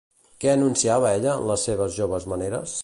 Què anunciava ella en les seves joves maneres?